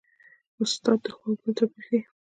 استاد د ښو او بدو توپیر ښيي.